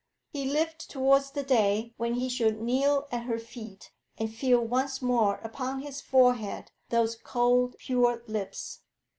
He lived towards the day when he should kneel at her feet, and feel once more upon his forehead those cold, pure lips.